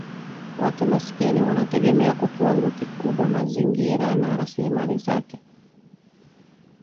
Watu maskini wanategemea kwa kiwango kikubwa Mazingira na rasilimali zake